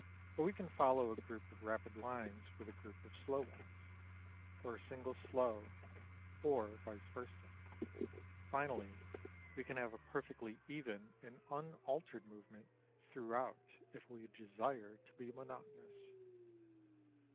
Or we can follow a group of rapid lines with a group of slow ones, or a single slow, or vice versa. Finally, we can have a perfectly even and unaltered movement throughout if we desire to be monotonous.